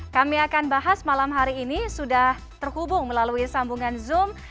kami akan bahas malam hari ini sudah terhubung melalui sambungan zoom